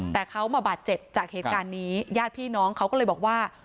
แต่เขามาบาดเจ็บจากเหตุการณ์นี้ญาติพี่น้องเขาก็เลยบอกว่า